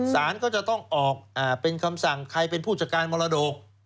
สารก็จะต้องออกเป็นคำสั่งใครเป็นผู้จัดการมรดก